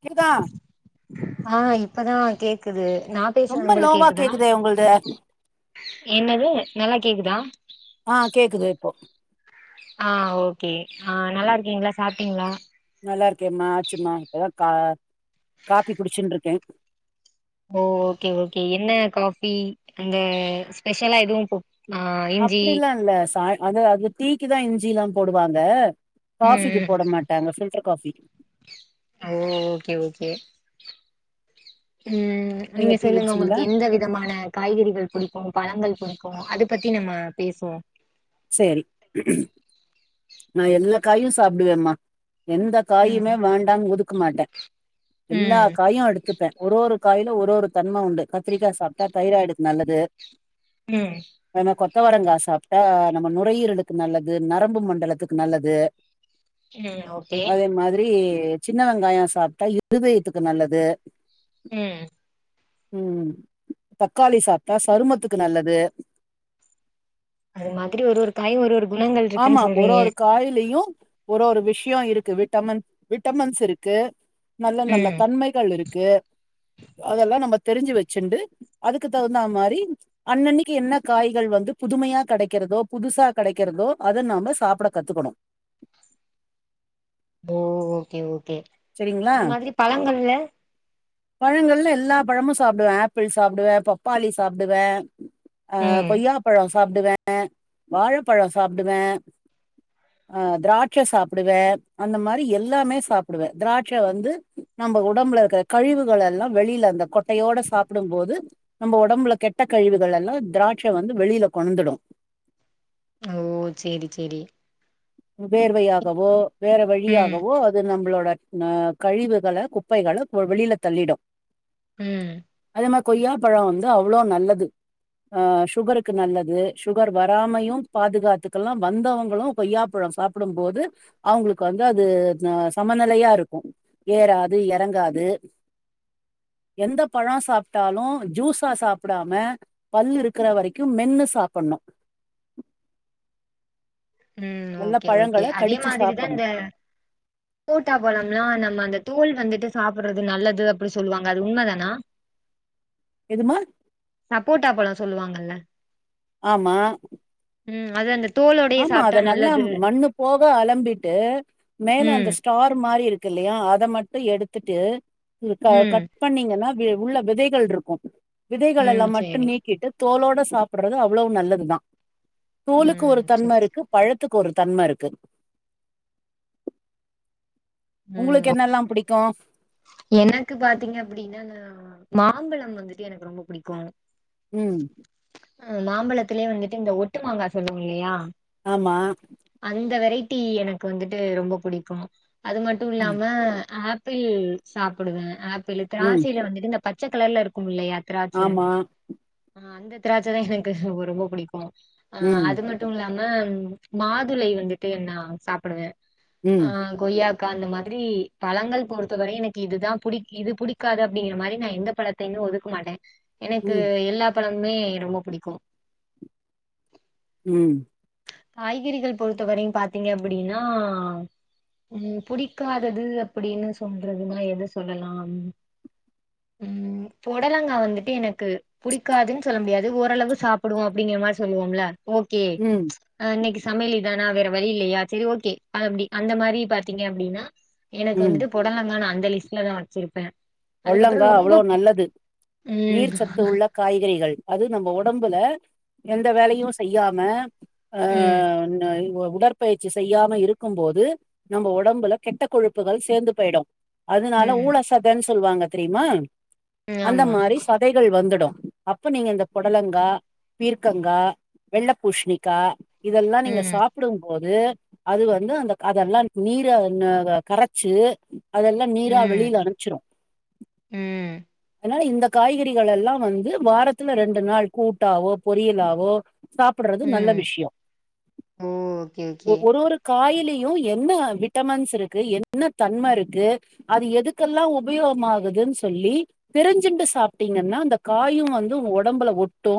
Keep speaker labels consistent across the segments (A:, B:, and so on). A: கேக்குதா
B: ஆ இப்பதா கேக்குது நா பேசுறது
A: ரொம்ப
B: உங்களுக்கு
A: லோவா
B: கேக்குதா
A: கேக்குது உங்ளுது
B: என்னது நல்லா கேக்குதா
A: ஆ கேக்குது இப்போ
B: ஆ ஓகே ஆ நல்லா இருக்கீங்களா சாப்ட்டீங்களா
A: நல்லா இருக்கேமா ஆச்சுமா இப்பதா கா காபி குடிச்சுண்ட்டு இருக்கே
B: ஓ ஓகே ஓகே என்ன காஃபி அங்க ஸ்பெஷலா எதுவும் போ ஆ இஞ்சி
A: அப்டிலா இல்ல சா அது அது டீக்கு தா இஞ்சில்லா போடுவாங்க காஃபிக்கு
B: ம்
A: போட மாட் டாங்க பில்டர் காஃபி
B: ஓ ஓகே ஓகே ம் நீங்க
A: டீ
B: சொல்லுங்க
A: குடிச்சீங்களா
B: உங்களுக்கு எந்த விதமான காய்கறிகள் புடிக்கும் பழங்கள் புடிக்கு அத பத்தி நம்ம பேசுவோ
A: சேரி நா எல்லா காயு சாப்டுவேமா எந்த
B: ம்
A: காயுமே வேண்டான் ஒதுக்க மாட்டே எல்லா
B: ம்
A: காயும் எடுத்துப்பே ஒரு ஒரு காயில ஒரு ஒரு தன்ம உண்டு கத்திரிக்கா சாப்ட்டா தைராய்டுக்கு நல்லது
B: ம்
A: ஆனா கொத்தவரங்கா சாப்ட்டா நம்ம நுரையீரலுக்கு நல்லது நரம்பு மண்டலத்துக்கு நல்லது
B: ம் ஓகே
A: அதே மாதிரி சின்ன வெங்காயோ சாப்டா இருதயத்துக்கு நல்லது
B: ம்
A: ம் தக்காளி சாப்டா சருமத்துக்கு நல்லது
B: அது மாதிரி ஒரு ஒரு காயு ஒரு ஒரு குணங்கள்
A: ஆமா
B: இருக்குன்னு
A: ஒரு
B: சொல்றீங்க
A: ஒரு காயிலயு ஒரு ஒரு விஷயோ இருக்கு விட்டமின் விட்டமின்ஸ் இருக்கு நல்ல நல்ல
B: ம்
A: தன்மைகள் இருக் கு அதெல்லாம் நம்ம தெரிஞ்சு வச்சுண்ட்டு அதுக்கு தகுந்தா மாரி அன்னனைக்கி என்ன காய்கள் வந்து புதுமையா கெடைக்கிறதோ புதுசா கெடைக்கிறதோ அத நாம சாப்பட கத்துக்கணு
B: ஓ ஓகே ஓகே
A: செரிங்களா
B: அது மாதிரி பழங்கள்ல
A: பழங்கள்ல எல்லா பழமு சாப்டுவே ஆப்பிள் சாப்டுவே பப்பாளி சாப்டுவே அ
B: ம்
A: கொய்யாப்பழோ சாப்டுவே வாழைப்பழோ சாப்டுவே அ திராட்சை சாப்டுவே அந்த மாரி எல்லாமே சாப்டுவே திராட்சை வந்து நம்ம உடம்புல இருக்கிற கழிவுகள் எல்லா வெளியில அந்த கொட்டையோட சாப்டும் போது நம்ப ஒடம்புல கெட்ட கழிவுகள் எல்லா திராட்சை வந்து வெளியில கொணந்துடு
B: ஓ சேரி சேரி
A: வேர்வையாகவோ வேற
B: ம்
A: வழியாகவோ அது நம்மளோட நா கழிவுகள குப்பைகள வெளியில தள்ளிடு
B: ம்
A: நம்ம‌கொய்யாப்பழோ வந்து அவ்ளோ நல்லது ஆ சுகருக்கு நல்லது சுகர் வராமையும் பாதுகாத்துக்கல்லா வந்தவங்களு கொய்யா பழம் சாப்டும் போது அவங்களுக்கு வந்து அது அ சமநிலையா இருக்கு ஏறாது எறங்காது எந்த பழோ சாப்டாலு ஜூஸா சாப்டாம பல்லு இருக்கிற வரைக்கு மென்னு சாப்டணு
B: ம்
A: நல்ல
B: ஓகே ஓகே
A: பழங்கள
B: அதே
A: கடிச்சு
B: மாதிரிதா
A: சாப்பட்ணு
B: இந்த போட்டா பழம்லாம் நம்ம அந்த தோல் வந்துட்டு சாப்டுறது நல்லது அப்டி சொல்லுவாங்க அது உண்ம தானா
A: எதுமா
B: சப்போட்டா பழ சொல்லுவாங்கல்ல
A: ஆமா
B: ம் அத அந்த தோலோடயே
A: ஆமா
B: சாப்ட்டா
A: அத நல்லா
B: நல்லது
A: மண்ணு போக அலம்பிட்டு மேல
B: ம்
A: அந்த ஸ்டார் மாறி இருக் இருக்கில்லாயா அத மட்டு எடுத்துட்டு
B: ம்
A: கட் பண்ணீங்கன்னா உள்ள விதைகள் இருக்கு
B: ம்
A: விதைகல்லா மட்டு
B: சேரி
A: நீக் கிட்டு தோலோட சாப்புறது அவ்வளவு நல்லது தா தோலுக்கு
B: ம்
A: ஒரு தன்மை
B: சேரி சேரி
A: இருக்கு பழத்துக்கு ஒரு தன்மை இருக்கு
B: ம்
A: உங்களுக்கு
B: ஓ
A: என்னெல்லா புடிக்கு
B: எனக்கு பாத்தீங்க அப்டின்னா நா மாம்பழ வந்துட்டு எனக்கு ரொம்ப புடிக்கு
A: ம்
B: அஹ் மாம்பழத்திலேயே வந்துட்டு இந்த ஒட்டு மாங்கா சொல்லுவோ இல்லயா
A: ஆமா
B: அந்த வெரைட்டி எனக்கு வந்துட்டு ரொம்ப புடிக்கு அது மட்டு
A: ம்,
B: இல்லாம ப்பிள் சாப்புடுவே ஆப்பிள்
A: ம்
B: திராட்சையில வந்துட்டு இந்த பச்சை கலர்ல இருக்கு இல்லயா திராட்ச
A: ஆமா
B: ஆஹ் அந்த திராட்ச தா எனக்கு ரொம்ப பிடிக்கு ஆஹ்
A: ம்
B: அது நான மட்டு மட்டு இல்லாம மாதுளை வந்துட்டு நா சாப்புடுவே
A: ம்
B: ஆஹ் கொய்யா அந்த மாதிரி பழங்கள் பொறுத்தவரை எனக்கு இதுதா புடிக் இது புடிக்காது அப்படிங்கிற மாறி நா எந்த பழத் அப்டின்னு ஒதுக்க மாட்டே எனக்கு
A: ம்
B: எல்லா பழமமே ரொம்ப பிடிக்கு
A: ம்
B: காய்கறிகள் பொறுத்த வரையு பாத்தீங்க அப்டின்னா ம் புடிக்காதது அப்டின்னு சொல்றதுன்னா எது சொல்லலா ம் பொடலங்கா வந்துட்டு எனக்கு புடிக்காதுன்னு சொல்ல முடியாது ஓரளவு சாப்புடுவோ அப்டிங்கிற மாதிரி சொல்லுவோம்ல ஓக்கே
A: ம்
B: ஆ இன்னைக்கு சமையல் இதானா வேற வழி இல்லையா செரி ஓகே அப்டி அந்த மாரி பாத்தீங்க அப்டின்னா எனக்கு
A: ம்
B: வந்துட்டு பொடலங்கா நா அந்த லிஸ்ட்லதா வச்சிருப்பே அதுக்கப்றோ
A: பொலங்கா
B: ரொம்ப
A: அவ்ளோ நல்லது நீர்
B: ம்
A: சத்து உள்ள காய்கறிகள் அது நம்ம உடம்புல எந்த வேலையு செய்யாம காய்
B: ம்
A: ஆஹ்ஆஹ்ஆஹ் இந்த உட பயிற்சி செய்யாம இருக்கு போது நம்ம உடம்புல கெட்ட கொழுப்புகள் சேந்து போயிடு அதனால
B: ம்
A: ஊழ சதன்னு சொல்லுவாங்க தெரியுமா
B: ம்
A: அந்த
B: ஆமா
A: மாறி தடைக வந்துடு அப்ப நீங்க இந்த பொடலங்கா பீர்க்கங்கா வெள்ள பூஷ்ணிக்கா இதெல்லா நீங்க
B: ம்
A: சாப் புடுபோது அது வந்து அந்த அதெல்லா நீர கரச்சு அதெல்லா நீரா
B: ம்
A: வெளில அனுப்ச்சிரு
B: ம்
A: அதனா இந்த காய்கறிகளல்லா வந்து வாரத்துல ரெண்டு நாள் கூட்டாவோ பொரியலாவோ சாப்பறது நல்ல
B: ம்
A: விஷய
B: ஓ ஓகே ஓகே
A: ஒரு ஒரு காய்லயு என்ன விட்டமின்ஸ் இருக்கு என்ன தன்மை இருக்கு அது எதுக்கெல்லா உப் உபயோகமாகுது சொல்லி தெரிஞ்சுண்டு சாப்பிட்டீங்கன்னா அந்த காயு வந்து உங்க ஒடம்புல ஒட்டு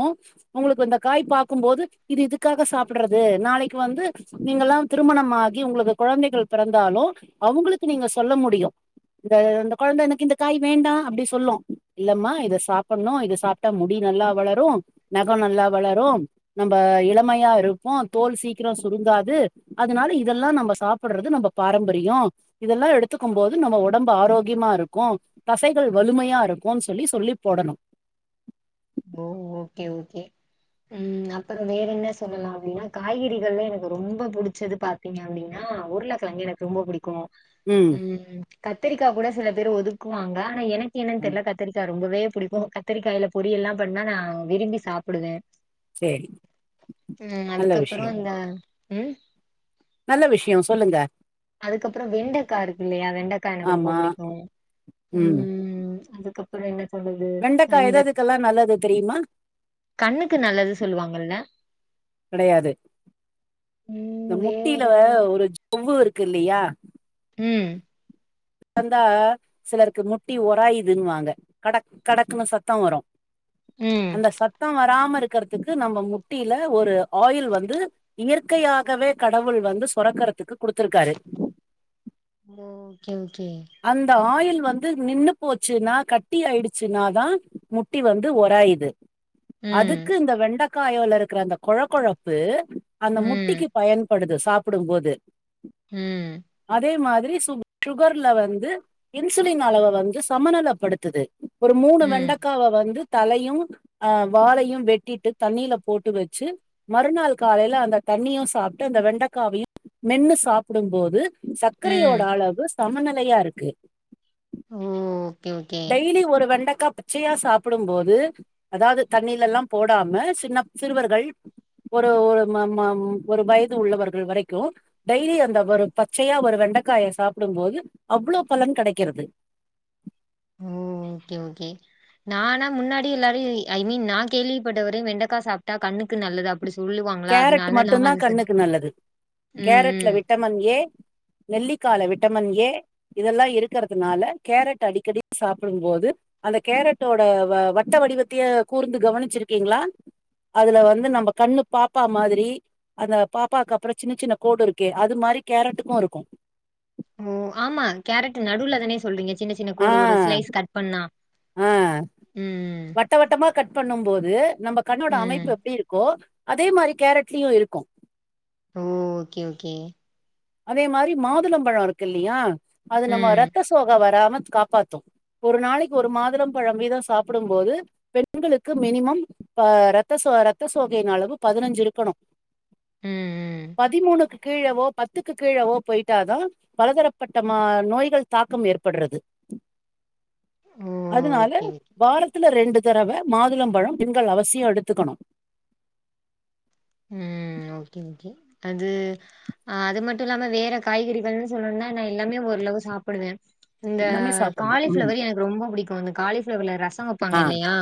A: உங்களுக்கு இந்த காய் பாக்கு போது இது இதுக்காக சாப்புடுறது நாளைக்கு வந்து நீங்க எல்லாம் திருமணமாகி நிங்களா திருமண ஆகி கொழந்தைகள் பிறந்தாலு அவங்களுக்கு நீங்க சொல்ல முடியு இத அந்தக் கொழந்த எனக்கு இந்த காய் வேண்டா அப்டி சொல்லு இல்லம்மா இத சாப்பாணு இத சாப்ட்டா முடி நல்லா வளரு நகோ நல்லா வளரு நம்ம இளமையா இருப்போ தோல் சீக்கிரோ சுருங்காது அதுனால இதெல்லா நம்ப சாப்புடுறது நம்ம பாரம்பரியோ இதெல்லா எடுத்துக்கு போது நம்ப ஒடம்பு ஆரோ க்கியமா இருக்கு தசைகள் வலுமையா இருக்குனு சொல்லி சொல்லி போடணு
B: ஓ ஓக்கே ஓக்கே ம் அப்பறோ வேற என்ன சொல்லலா அப்டின்னா காய்கறிகள்லா எனக்கு ரொம்ப புடிச்சது பாத் த்திங்க அப்டின்னா உருள கெழங்க எனக்கு ரொம்ப புடிக்கு ம் கத்திரிக்கா கூட சில பேரு ஒதுக்குவாங்க ஆனா எனக்கு என்னன்னு
A: ஆமா
B: தெர்ல கத்தரி கா ரொம்பவே புடிக்கு கத்திரிக்காய்ல பொரியல்லா பண்ணா நா விரும்பி சாப்புடுவே
A: சேரி
B: ம்
A: நல்ல
B: அதுக்கப்பறோ
A: விஷயோ
B: அந்த ம்
A: நல்ல விஷ்யோ சொல்லுங்க
B: அதுக்கப்பறோ வெண்டைக்கா இருக்கு இல்லையா வெண்டைக்கா எனக்கு ரொம்ப
A: ஆமா
B: பிடிக்கு ம் அதுக்கப் சொல்னா என்ன சொல்றது
A: வெண்டக்கா எது
B: இந்த
A: எதுக்கெல்லா நல்லது தெரியுமா
B: கண்ணுக்கு நல்லது சொல்லுவாங்கல்ல
A: கெடையாது இந்த
B: ம்
A: முட்டில
B: வேற
A: ஒரு ஜவ்வு இருக்கு இல்லுயா
B: ம்
A: நடந்தா சிலருக்கு முட்டி உராயிதுன் வாங்க கடக் கடக்குன்னு சத்தோ வரு
B: ம்.
A: அந்த சத்த வராம இருக்கிறதுக்கு நம்ம முட்டில ஒரு ஆயில் வந்து இயற்கையாகவே கடவுள் வந்து சொரக்கரத்துக்கு குடுத்திருக்காரு
B: ஓக்கே ஓக்கே
A: அந்த ஆயில் வந்து நின்னு போச்சுன்னா கட்டி ஆயிடுச்சுனாதா முட்டி வந்து ஒராய்யுது
B: ம்.
A: அதுக்கு இந்த வெண்டைக்காயோல இருக்கிற அந்த கொழக்கொழப்பு அந்த
B: ம்.
A: முட்டிக்கு பயன் படுது சாப்புடுபோது
B: ம்
A: அதே மாதிரி சுக் சுகர்ல வந்து இன்சுலின் அளவ வந்து சமநலப்படுத்துது ஒரு மூணு
B: ம்
A: வெண்டைக்கவ வந்து தலையு அ வலையு வெட்டிட்டு தண்ணீல போட்டு வச்சு மறுநாள் காலையில அந்த தண்ணியு சாப்ட்டு அந்த வெண்டைக்காவையு மென்னு சாப்புடு போது சக்கரையோட
B: ம்
A: அளவு சமநிலையாருக்கு
B: ஓ ஓகே ஓகே
A: டெய்லி ஒரு வெண்டக்கா ப ச்சியா சாப்புடு போது அதாவ்து தண்ணிலல்லா போடாம சின்ன சிறுவர்கள் ஒரு ஒரு ம மம் ஒரு வய்து உள்ளவர்கள் வரைக்கு டெய்லி அந்த ஒரு பச்சையா ஒரு வெண்டைக்காய சாப்புடு போது அவ்வளோ பலன் கெடைக்கிறது
B: ஓக்கே ஓக்கே நானா முன்னாடி எல்லாரு ஐ மீன் நான் கேள்விப்பட்டவரையு வெண்டக்கா சாப்ட்டா கண்ணுக்கு நல்லது அப்
A: கேரட் மட்டுதா கண்ணுக்கு நல்லது
B: ம்
A: கேரட்ல
B: ம்.
A: விட்டமன் ஏ நெல்லிக்கால விட்டமன் ஏ இதெல்லா இருக்கறதுனால கேரட் அடிக்கடி சாப்ட்டு போது அந்த கேரட்டோட வ வட்டவடிவத்தையே கூர்ந்து கவனிச்சிருக்கீங்ளா அதுல வந்து நம்ம கண்ணு பாப் பா மாதிரி அந்த பாப்பாவுக்கு அப்பறோ சின்ன சின்ன கோடு இருக்கே அது மாரி கேரட்டுக்கு இருக்கு
B: ஓ ஆமா கேரட் நடுல தானே சொல்றீங்க சின்ன சின்ன
A: ஆ
B: கோடு ஒரு ஸ்லைஸ் கட் பண்ணா
A: ஆ
B: ம்
A: வட்டவட்டமா கட் பண்ணும் போது நம்ம கண்ணோட
B: ம் ம்.
A: அமைப்பு எப்டி இரு க்கோ அதே மாரி கேரட்லயு இருக்கு
B: ஓ ஓகே ஓகே
A: அதே மாரி மாதுளோபழோ இருக்கு இல்லையா அது நம்ம
B: ம்
A: ரத்த சோகை வராம காப்பாத்து ஒரு நாளைக்கு ஒரு மாதுளம் பழம் வீதோ சாப்பிடும் போது பெண்களுக்கு மினிமம் அ ரத்த சோ ரத்த சோகையின் அளவு பதினைஞ்சு இருக்கணு
B: ம் ம்.
A: பதிமூணுக்கு கீழேவோ பத் துக்கு கீழவோ போயிட்டாதா பலதரப்பட்ட மா நோய்கள் தாக்கம் ஏற்படறது
B: ஓ
A: அதனால
B: ஓகே ஓகே.
A: வாரத் த்துல ரெண்டு தடவ மாதுளம் பழம் பெண்கள் அவசியோ எடுத்துக்கணு
B: ம் ஓகே ஓகே அது ஆ அது மட்டு இல்லாமல் வேற காய்கறிகள்ன்னு சொல்லணுனா நா எல்லாமே ஓரளவு சாப்பிடுவே இந்த
A: எல்லாமே சாப்பிடணு ம்
B: காலிஃபிளவர் எனக்கு ரொம்ப புடிக்கு அந்த காலிஃபிளவர்ல ரசோ வெப்பாங்க
A: ஆ
B: இல்லையா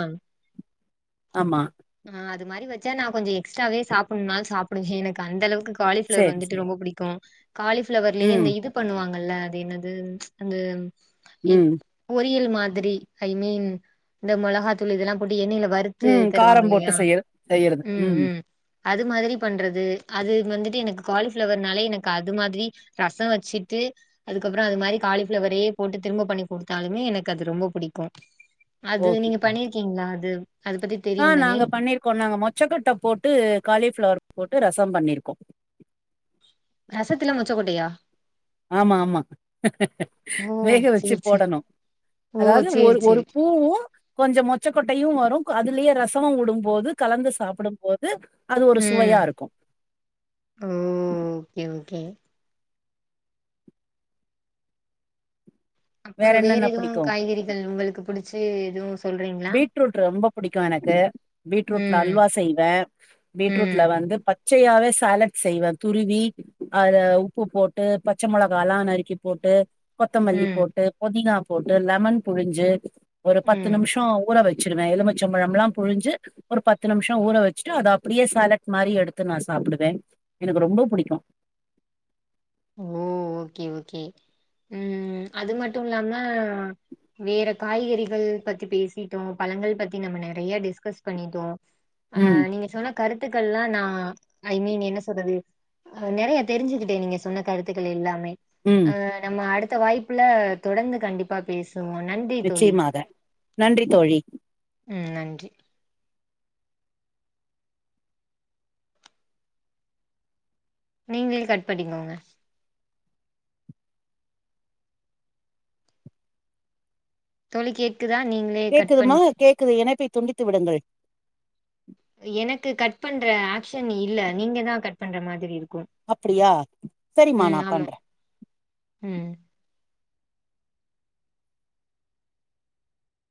A: ஆமா
B: ஆ அதுமாரி வச்சா நா கொஞ்சோ எக்ஸ்ட்ராவே சாப்பிடணுனாலு சாப்பிடுவே எனக்கு அந்த அளவுக்கு காலிஃபிளவர்
A: சரி
B: வந்துட்டு
A: சரி
B: ரொம்ப புடிக்கும் காலிஃபிளவர்லயே
A: ம்,
B: அந்த இது பண்ணுவாங்கல்ல அது என்னது அந்த இ
A: ம்,
B: பொரியல் மாதிரி ஐ மீன் இந்த மொளகாய்த்தூள் இதெல்லா போட்டு எண்ணெயில வருத் து
A: ம்.
B: தருவாங்க
A: காரம் போட்டு
B: இல்லையா
A: செய்ய செய்யறது.
B: ம் ம் அது மாதிரி பண்றது அது வந்துட்டு எனக்கு காலிஃப்ளவர்னாலே எனக்கு அது மாதிரி ரச வச்சுட்டு அதுக்கப்புற அது மாதிரி காலிப்ளவரே போட்டு திரும்ப பண்ணி குடுத்தாலுமே எனக்கு அது ரொம்ப புடிக்கு அது
A: ஓகே,
B: நீங்க
A: ஓகே.
B: பண்ணிருக்கீங்களா அது அது பத்தி
A: ஆ
B: தெரியும் தானே
A: நாங்க பண்ணிருக்கோ நாங்க மொச்சகொட்டை போட்டு காலிஃபிளவர் போட்டு ரசம் பண்ணிருக்கோ
B: ரசத்தல மொச்சகொட்டையா
A: ஆமா ஆமா
B: ஓ
A: வேக வெச்சு
B: சேரி சேரி
A: போடணு
B: ஓ
A: அதாவது
B: சேரி
A: ஒரு ஒரு
B: சேரி
A: பூவு கொஞ்சோ மொச்சக்கொட்டையும் வரு அதுலயே ரசமும் வுடும்போது கலந்து சாப்பிடும் போ து அது ஒரு சுவையா இருக்கு
B: ம் ஓகே ஓகே அப்புறோ வேற
A: என்னென்ன
B: எதுவு
A: பிடிக்கும்?
B: காய்கறிகள் உங்களுக்கு பிடிச்சு எதுவு
A: பீட்ரூட் ரொம்ப பிடிக்கும் எனக்கு பீட்ரூட்ல
B: ம்
A: அல்வா செய்வே பீட்ரூட்ல
B: ம்
A: வந்து ப ச்சையாவே சேலட் செய்வே துருவி அதுல உப்பு போட்டு பச்ச மொளகா எல்லா நறுக்கிப் போட்டு கொத்தமல்லி
B: ம்
A: போட்டு பொதினா போட்டு லெமன் புழிஞ்சு ஒரு பத்து
B: ம்
A: நிமிஷ் சோ ஊற வச்சுருவே எலுமிச்சம் பழம் லாம் புழிஞ்சு ஒரு பத்து நிமிஷோ ஊற வச்சுட்டு அத அப்டியே சேலட் மாதிரி எடுத்து நா சாப்பிடுவே எனக்கு ரொம்ப புடிக்கு
B: ஓ ஓகே ஓகே ம் அது மட்டு இல்லாம வேற காய்கறிகள் பத்தி பேசிட்டோ பழங்கள் பத்தி நம்ம நெறைய டிஸ்கஸ் பண்ணிட்டோ ஆ
A: ம்
B: நீங்க சொன்ன கருத்துக்கள் எல்லா நா ஐ மீன் என்ன சொல்றது நெறைய தெரிஞ்சுகிட்டே நீங்க சொன்ன கருத்துக்கள் எல்லாமே
A: ம்
B: ஆ நம்ம அடுத்த வாய்ப்பில தொடர்ந்து கண்டிப்பாக பேஸ் ரொம்ப நன்றி தோழி
A: நிச்சயமாக நன்றி தோழி
B: ம் நன்றி நீங்களே கட் பண்ணிக்கோங்க தோழி கேக் குதா நீங்ளே
A: கேக்குதுமா கேக்குது இணைப்பை துண்டித்து விடுங்கள்
B: எனக்கு கட் பண்ற ஆப்சன் இல்ல நீங்க தா கட் பண்ற மாதிரி இருக்கும்
A: அப்படியா சரிமா நா பண்றே
B: உம்